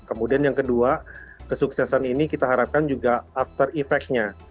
kemudian yang kedua kesuksesan ini kita harapkan juga after effect nya